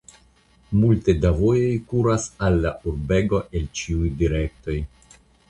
Multe da vojoj kuras al la urbego el ĉiuj direktoj.